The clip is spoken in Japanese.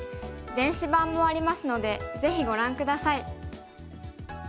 電子版もありますのでぜひご覧下さい。